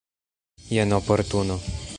Jen oportuno.